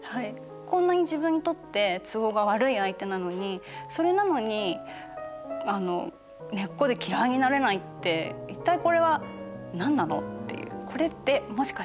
こんなに自分にとって都合が悪い相手なのにそれなのに根っこで嫌いになれないって一体これは何なの？っていう。